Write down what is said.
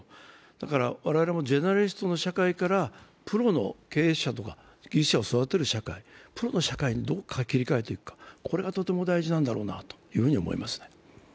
我々もジェネラリストの社会からプロの経営者とか技術者を育てる社会にどう切り替えていくか、これがとても大事なんだろうなと思います。